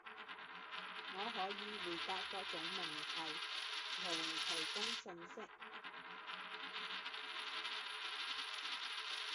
我可以回答各种问题和提供信息。